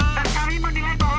dan kami menilai bahwa